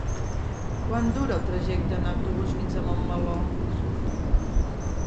Quant dura el trajecte en autobús fins a Montmeló?